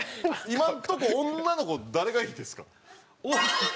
今のところ女の子誰がいいですか？